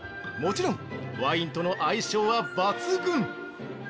もちろん、ワインとの相性は抜群。